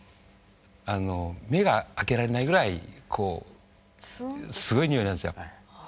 あの目が開けられないぐらいこうすごいにおいなんですよ。